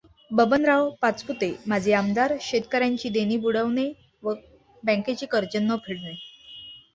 बबनराव पाचपुते माजी आमदार शेतकर् याची देणी बुडवणे व बँकेची कर्जे न फेडणे.